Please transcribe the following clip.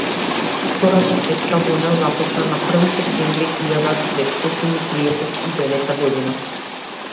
Втората светска војна започна на први септември илјада деветстотини триесет и деветта година.